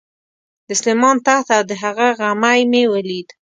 د سلیمان تخت او د هغه غمی مې ولید.